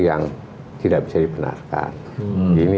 yang tidak bisa dibenarkan ini